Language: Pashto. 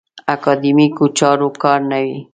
اکاډیمیکو چارو کار نه وي.